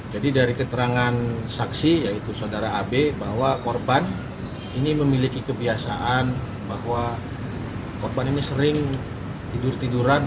jadi dari keterangan saksi yaitu saudara ab bahwa korban ini memiliki kebiasaan bahwa korban ini sering tidur tiduran